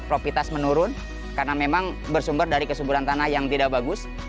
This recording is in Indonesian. profitas menurun karena memang bersumber dari kesuburan tanah yang tidak bagus